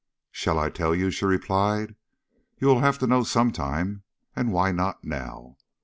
"Shall I tell you?" she replied. "You will have to know some time, and why not now?